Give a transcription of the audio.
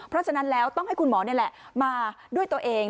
เพราะฉะนั้นแล้วต้องให้คุณหมอนี่แหละมาด้วยตัวเอง